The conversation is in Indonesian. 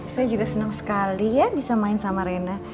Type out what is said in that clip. saya juga senang sekali ya bisa main sama rena